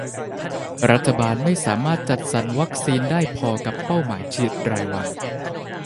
รัฐบาลไม่สามารถจัดสรรวัคซีนได้พอกับเป้าหมายฉีดรายวัน